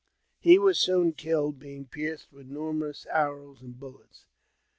* He was soon killed, being pierced with numerous arrows bullets.